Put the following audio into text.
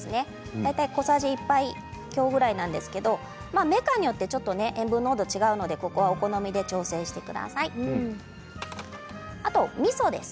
大体小さじ１杯強ぐらいなんですけれどもメーカーによって塩分濃度が違うので、ここはお好みで調整してみてください。